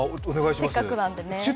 せっかんなんでね。